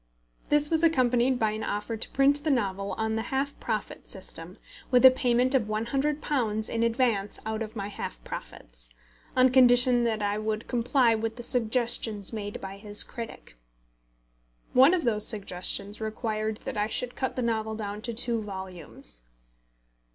This was accompanied by an offer to print the novel on the half profit system, with a payment of £100 in advance out of my half profits, on condition that I would comply with the suggestions made by his critic. One of these suggestions required that I should cut the novel down to two volumes.